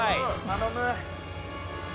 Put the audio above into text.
頼む。